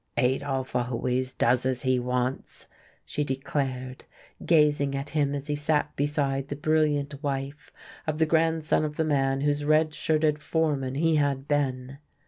"Adolf always does as he wants," she declared, gazing at him as he sat beside the brilliant wife of the grandson of the man whose red shirted foreman he had been.